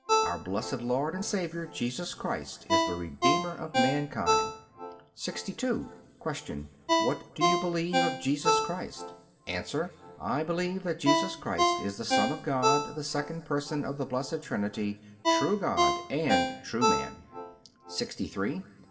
Our Blessed Lord and Saviour Jesus Christ is the Redeemer of mankind. 62. Q. What do you believe of Jesus Christ? A. I believe that Jesus Christ is the Son of God, the second Person of the Blessed Trinity, true God and true man. 63. Q.